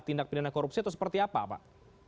tindak pidana korupsi atau seperti apa pak